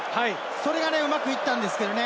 それがうまくいったんですけれどもね。